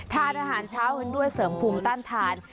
ทานอาหารเช้ากันด้วยเสริมภูมิต้านทาน